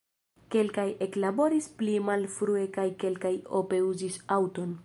Kelkaj eklaboris pli malfrue kaj kelkaj ope uzis aŭton.